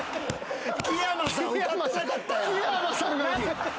木山さん。